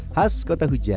khas kota hujan